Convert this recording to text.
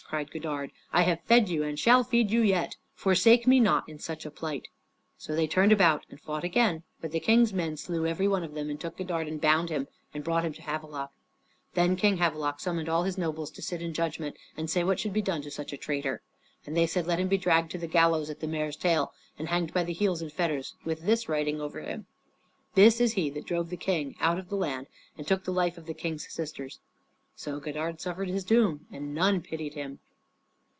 cried Godard; "I have fed you and shall feed you yet. Forsake me not in such a plight." So they turned about and fought again. But the King's men slew every one of them, and took Godard and bound him and brought him to Havelok. Then King Havelok summoned all his nobles to sit in judgment and say what should be done to such a traitor. And they said, "Let him be dragged to the gallows at the mare's tail, and hanged by the heels in fetters, with this writing over him: 'This is he that drove the King out of the land, and took the life of the King's sisters.'" So Godard suffered his doom, and none pitied him.